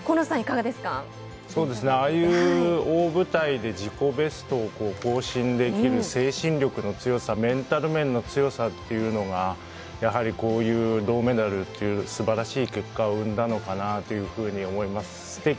そうですねああいう大舞台で自己ベストを更新できる精神力の強さメンタル面の強さっていうのがやはり、こういう銅メダルというすばらしい結果を生んだのかなというふうに思います。